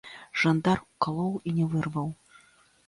Жандар укалоў і не вырваў.